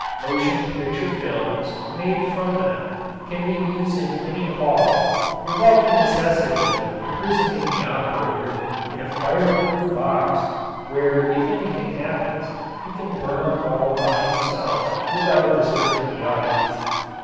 Motion picture films made from them can be used in any hall without the necessity of imprisoning the operator in a fire proof box where if anything happens he can burn up all by himself without disturbing the audience.